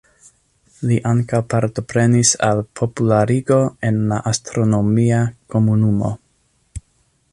Li ankaŭ partoprenis al popularigo en la astronomia komunumo.